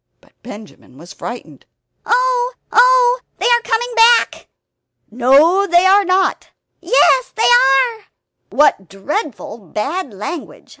But Benjamin was frightened "Oh; oh! they are coming back!" "No they are not." "Yes they are!" "What dreadful bad language!